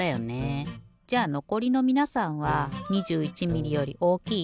じゃのこりのみなさんは２１ミリより大きい？